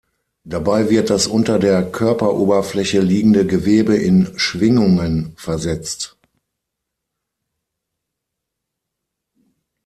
Dabei wird das unter der Körperoberfläche liegende Gewebe in Schwingungen versetzt.